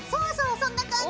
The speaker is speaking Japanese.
そんな感じ！